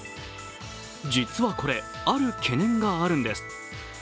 実はこれ、ある懸念があるんです。